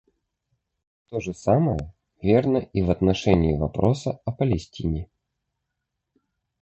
То же самое верно и в отношении вопроса о Палестине.